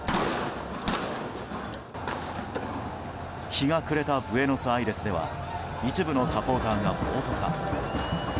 日が暮れたブエノスアイレスでは一部のサポーターが暴徒化。